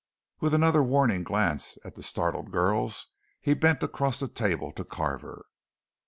With another warning glance at the startled girls, he bent across the table to Carver.